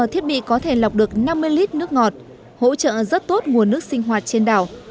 thiết bị có thể lọc được năm mươi lít nước ngọt hỗ trợ rất tốt nguồn nước sinh hoạt trên đảo